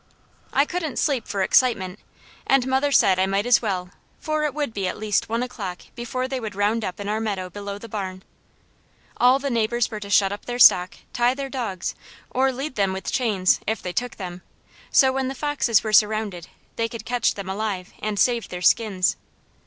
I couldn't sleep for excitement, and mother said I might as well, for it would be at least one o'clock before they would round up in our meadow below the barn. All the neighbours were to shut up their stock, tie their dogs, or lead them with chains, if they took them, so when the foxes were surrounded, they could catch them alive, and save their skins.